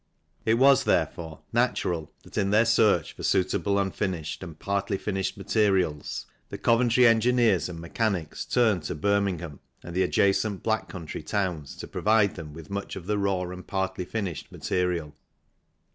It was, therefore, natural that in their search for suitable unfinished and partly finished materials the Coventry engineers and mechanics turned to Birming ham and the adjacent Black Country towns to provide them with much of the raw and partly finished material.